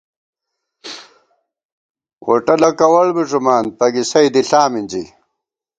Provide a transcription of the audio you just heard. ووٹلَہ کوَڑ بی ݫُمان ، پَگِسَئ دِݪا مِنزی